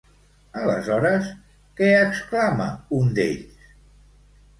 Aleshores, què exclama un d'ells?